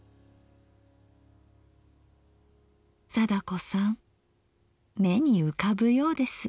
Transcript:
貞子さん目に浮かぶようです。